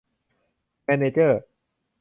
แมนเนอร์เจอร์